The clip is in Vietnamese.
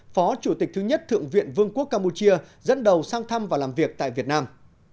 phó chủ tịch thứ nhất thượng viện vương quốc campuchia dẫn đầu sang thăm và làm việc tại việt nam